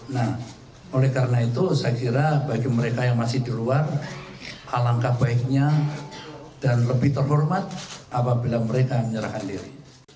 nah oleh karena itu saya kira bagi mereka yang masih di luar alangkah baiknya dan lebih terhormat apabila mereka menyerahkan diri